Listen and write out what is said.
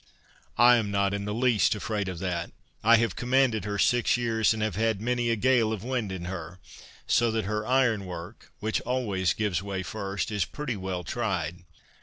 "I am not in the least afraid of that; I have commanded her six years, and have had many a gale of wind in her; so that her iron work, which always gives way first, is pretty well tried.